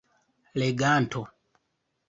leganto